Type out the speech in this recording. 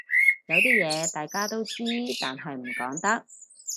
有啲嘢大家都知但係唔講得